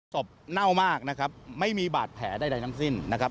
เน่ามากนะครับไม่มีบาดแผลใดทั้งสิ้นนะครับ